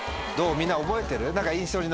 みんな覚えてる？